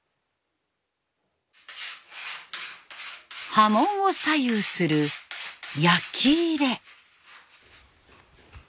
刃文を左右する焼き入れ。